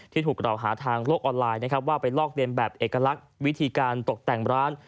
ถูกกล่าวหาทางโลกออนไลน์นะครับว่าไปลอกเรียนแบบเอกลักษณ์วิธีการตกแต่งร้าน